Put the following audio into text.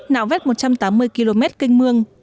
nạo vét một trăm tám mươi km kênh mương